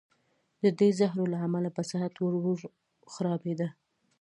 د دې زهرو له امله به صحت ورو ورو خرابېده.